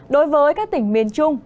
đối với các tỉnh miền trung